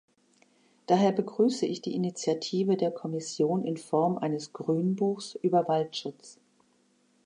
Daher begrüße ich die Initiative der Kommission in Form eines Grünbuchs über Waldschutz.